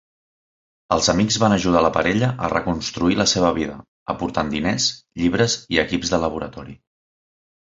Els amics van ajudar la parella a reconstruir la seva vida, aportant diners, llibres i equips de laboratori.